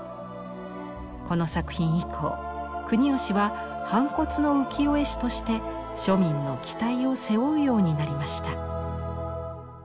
この作品以降国芳は反骨の浮世絵師として庶民の期待を背負うようになりました。